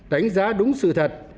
đánh giá đúng sự thật